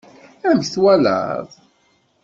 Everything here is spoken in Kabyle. Amek twalaḍ?